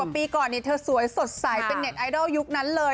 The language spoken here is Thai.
ปีก่อนเธอสวยสดใสเป็นเน็ตไอดอลยุคนั้นเลย